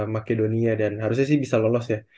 makedonia dan harusnya sih bisa lolos ya